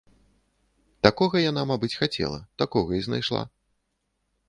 Такога яна, мабыць, хацела, такога і знайшла.